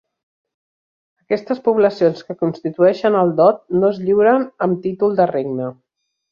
Aquestes poblacions que constitueixen el dot no es lliuren amb títol de regne.